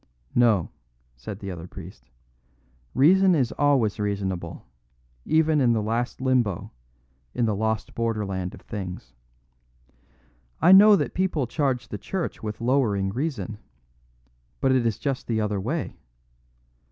"No," said the other priest; "reason is always reasonable, even in the last limbo, in the lost borderland of things. I know that people charge the Church with lowering reason, but it is just the other way.